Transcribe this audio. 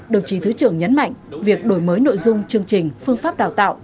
đồng chí thứ trưởng nhấn mạnh việc đổi mới nội dung chương trình phương pháp đào tạo